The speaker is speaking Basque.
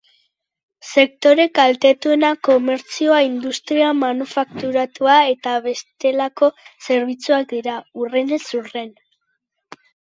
Sektore kaltetuenak komertzioa, industria manufakturatua eta bestelako zerbitzuak dira, hurrenez hurren.